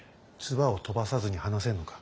唾を飛ばさずに話せんのか。